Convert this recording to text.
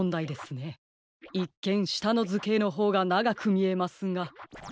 いっけんしたのずけいのほうがながくみえますが。